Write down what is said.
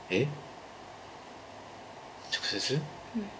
直接？